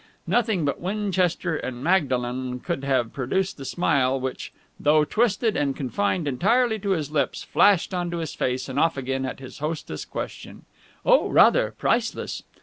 Nothing but Winchester and Magdalen could have produced the smile which, though twisted and confined entirely to his lips, flashed on to his face and off again at his hostess' question. "Oh, rather! Priceless!"